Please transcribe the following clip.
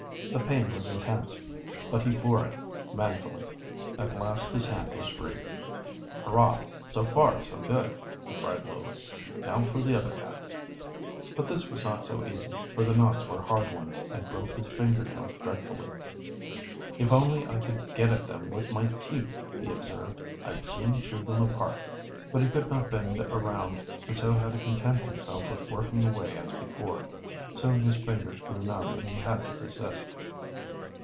The pain was intense, but he bore it manfully. At last his hand was free. "Hurrah! so far so good!" he cried lowly. "Now for the other hand." But this was not so easy, for the knots were hard ones and broke his finger nails dread fully. "If only I could get at them with my teeth," he observed, "I'd soon chew them apart." But he could not bend around, and so had to content himself with working away as before. Soon his fingers grew numb and he had to desist.